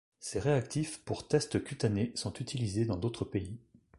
Ces réactifs pour tests cutanés sont utilisés dans d’autres pays.